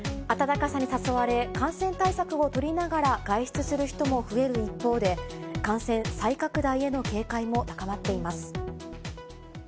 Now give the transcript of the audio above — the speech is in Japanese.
暖かさに誘われ、感染対策を取りながら外出する人も増える一方で、感染再拡大への警戒も高まっています。